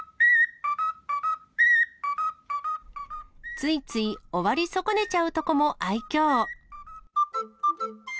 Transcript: ついつい終わり損ねちゃうところも愛きょう。